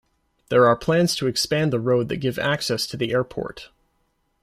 There are plans to expand the road that give access to the airport.